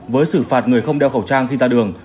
với xử phạt người không đeo khẩu trang khi ra đường